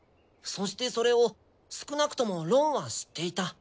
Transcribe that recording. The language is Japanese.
そしてそれを少なくともロンは知っていた。